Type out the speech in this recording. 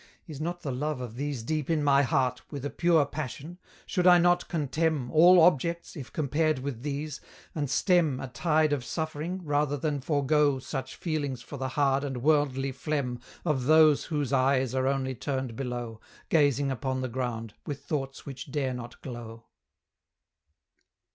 Is not the love of these deep in my heart With a pure passion? should I not contemn All objects, if compared with these? and stem A tide of suffering, rather than forego Such feelings for the hard and worldly phlegm Of those whose eyes are only turned below, Gazing upon the ground, with thoughts which dare not glow?